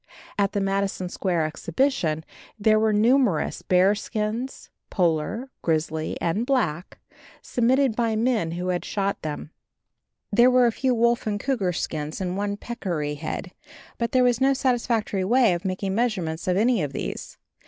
At the Madison Square exhibition there were numerous bear skins, polar, grizzly and black, submitted by men who had shot them. There were a few wolf and cougar skins and one peccary head; but there was no satisfactory way of making measurements of any of these.